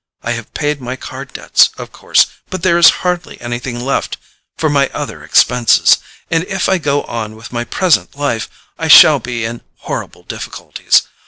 I have paid my card debts, of course, but there is hardly anything left for my other expenses, and if I go on with my present life I shall be in horrible difficulties.